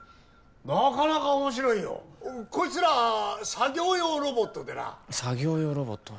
なかなか面白いよこいつら作業用ロボットでな作業用ロボット？